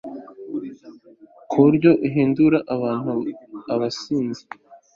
ku buryo ahindura abantu abasinzi